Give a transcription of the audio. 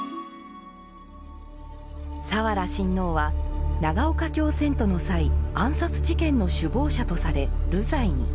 早良親王は長岡京遷都の際暗殺事件の首謀者とされ、流罪に。